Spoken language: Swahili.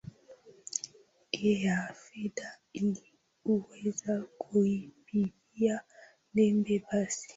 ea fedha ili kuweza kuipigia debe basi